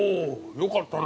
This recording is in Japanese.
よかったな。